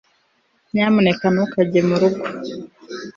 nyamuneka ntukajye murugo